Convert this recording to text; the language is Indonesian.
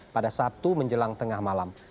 pada sabtu menjelang tengah malam